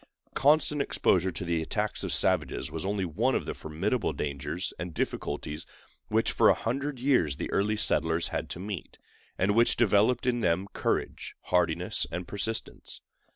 Constant exposure to the attacks of savages was only one of the formidable dangers and difficulties which for a hundred years the early settlers had to meet, and which developed in them courage, hardiness, and persistence.